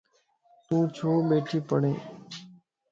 تون ڇو ٻيڻھي پڙھي